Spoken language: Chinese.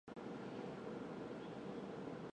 绿巨人浩克漫威电影宇宙